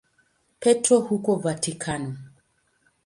Petro huko Vatikano.